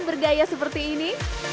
bergaya seperti ini